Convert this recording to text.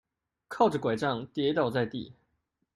靠著柺杖跌倒在地